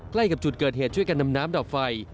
ใกล้กับจุดเกิดเหตุช่วยกันนำน้ำดับไฟ